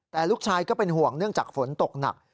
แต่ลูกชายก็เป็นห่วงเนื่องจากฝนตกหนัก